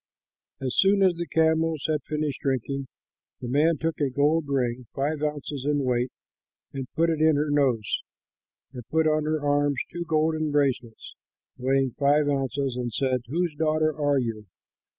As soon as the camels had finished drinking, the man took a gold ring, five ounces in weight, and put it in her nose, and put on her arms two golden bracelets weighing five ounces, and said, "Whose daughter are you?